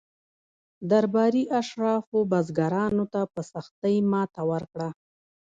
درباري اشرافو بزګرانو ته په سختۍ ماته ورکړه.